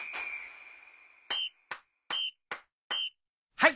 はい！